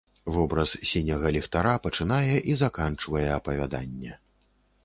Вобраз сіняга ліхтара пачынае і заканчвае апавяданне.